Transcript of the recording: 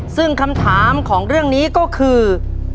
ซึ่งคำถามของเรื่องนี้ก็คือ